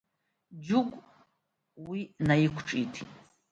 Џьыгә уи наиқәҿиҭит.